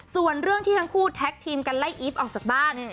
ส่วนเรื่องที่ทั้งคู่แท็กทีมกันไล่อีฟออกจากบ้าน